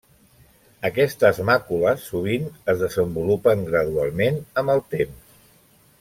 Aquestes màcules sovint es desenvolupen gradualment amb el temps.